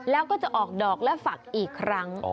แล้วก็จะออกดอกและฝักอีกครั้ง